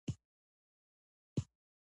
موږ سبا درروانېږو.